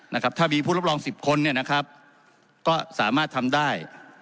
นะครับถ้ามีผู้รับรองสิบคนเนี่ยนะครับก็สามารถทำได้